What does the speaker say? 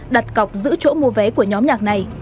đặt cọc giữ chỗ mua vé của nhóm nhạc này